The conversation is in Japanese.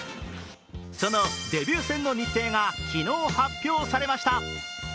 そのデビュー戦の日程が昨日発表されました。